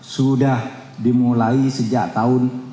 dan ini sudah dimulai sejak tahun dua ribu